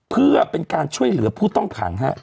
เพื่อเป็นการช่วยเหลือผู้ต้องขัง